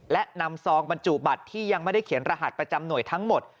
และนำซองบรรจุบัตรที่ยังไม่ได้เขียนรหัสประจำหน่วยทั้งหมด